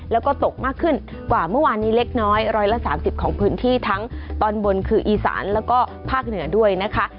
แล้วก็ตกมากขึ้นกว่าเมื่อวานนี้เล็กน้อย๑๓๐ของพื้นที่ทั้งตอนบนคืออีสานแล้วก็ภาคเหนือด้วยนะคะ